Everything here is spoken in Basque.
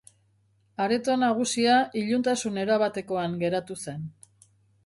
Areto nagusia iluntasun erabatekoan geratu zen.